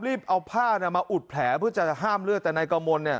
รีบเอาผ้ามาอุดแผลเพื่อจะห้ามเลือด